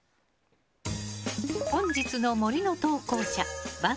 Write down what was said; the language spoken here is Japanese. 本日の森の投稿者番組